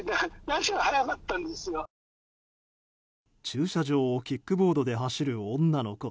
駐車場をキックボードで走る女の子。